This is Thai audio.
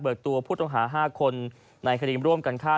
ตัวผู้ต้องหา๕คนในคดีร่วมกันฆ่า